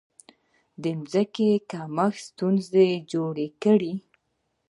د ځمکې کمښت ستونزې جوړې کړې.